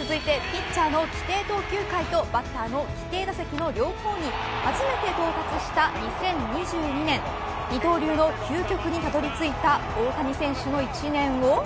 続いてピッチャーの規定投球回とバッターの規定打席の両方に初めて到達した２０２２年二刀流の究極にたどり着いた大谷選手の１年を。